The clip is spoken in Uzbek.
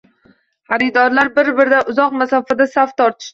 Xaridorlar bir -biridan uzoq masofada saf tortishdi